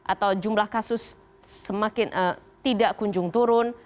atau jumlah kasus semakin tidak kunjung turun